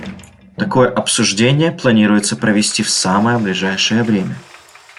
Такое обсуждение планируется провести в самое ближайшее время.